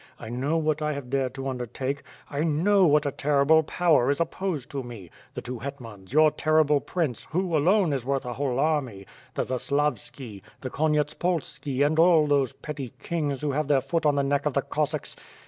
I know what I have dared to undertake; I know what a terrible power is op posed to me: the two hetmans, your terrible prince, who, alone, is worth a whole army, the Zaslavski, the Konyets polski and all those petty kings who have their foot on the neck of the Cossacks.